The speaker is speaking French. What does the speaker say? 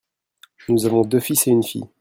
Nous avons deux fils et une fille.